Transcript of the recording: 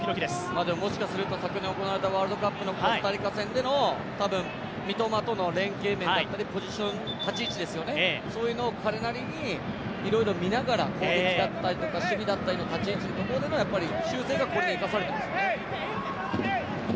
もしかすると昨年行われたワールドカップのコスタリカ戦の多分、三笘との連携面だったりポジション、立ち位置ですよね、そういうのを彼なりにいろいろ見ながら、攻撃だったりとか守備だったりとか、立ち位置の修正がこれに生かされていますよね。